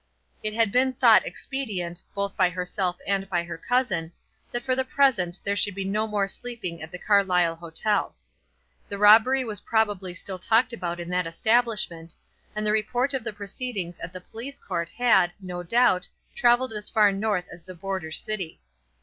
It had been thought expedient, both by herself and by her cousin, that for the present there should be no more sleeping at the Carlisle hotel. The robbery was probably still talked about in that establishment; and the report of the proceedings at the police court had, no doubt, travelled as far north as the border city.